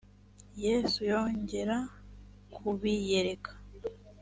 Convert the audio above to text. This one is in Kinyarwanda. yesu yongera kubiyereka